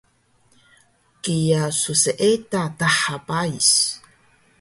kiya sseeda daha pais